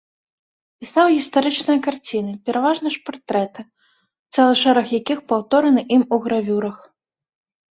Пісаў гістарычныя карціны, пераважна ж партрэты, цэлы шэраг якіх паўтораны ім у гравюрах.